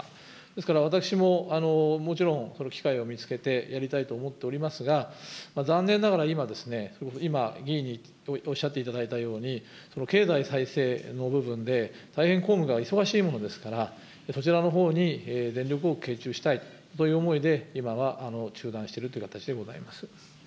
ですから、私ももちろん、機会を見つけてやりたいと思っておりますが、残念ながら、今、今、議員におっしゃっていただいたように、その経済再生の部分で、大変公務が忙しいものですから、そちらのほうに全力を傾注したいと、こういう思いで、今は中断しているという形でございます。